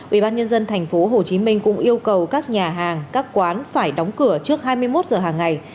ubnd tp hcm cũng yêu cầu các nhà hàng các quán phải đóng cửa trước hai mươi một giờ hàng ngày